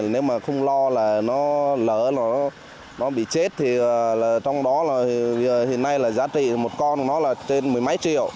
nếu mà không lo là nó lỡ nó bị chết thì trong đó là hiện nay là giá trị một con nó là trên mười mấy triệu